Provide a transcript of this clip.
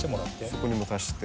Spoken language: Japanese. そこにも足して。